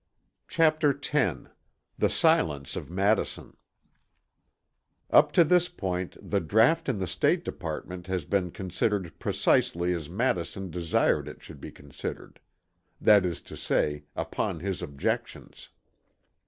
CHAPTER X THE SILENCE OF MADISON Up to this point the draught in the State Department has been considered precisely as Madison desired it should be considered; that is to say upon his objections.